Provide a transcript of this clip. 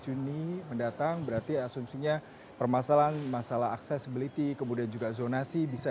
juni mendatang berarti asumsinya permasalahan masalah accessibility kemudian juga zonasi bisa